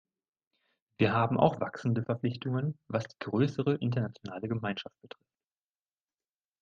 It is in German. Wir haben auch wachsende Verpflichtungen, was die größere internationale Gemeinschaft betrifft.